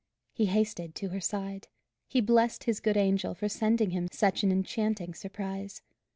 He hasted to her side. He blessed his good angel for sending him such an enchanting surprise.